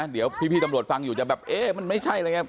เดี๋ยวพี่ตำรวจฟังอยู่จะแบบเอ๊ะมันไม่ใช่